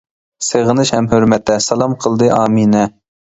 سېغىنىش ھەم ھۆرمەتتە، سالام قىلدى ئامىنە.